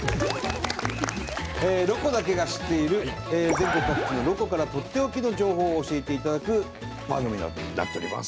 全国各地のロコからとっておきの情報を教えていただく番組になっております。